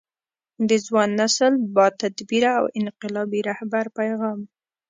د ځوان نسل با تدبیره او انقلابي رهبر پیغام